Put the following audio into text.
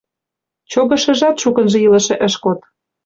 Чогышыжат шукынжо илыше ыш код.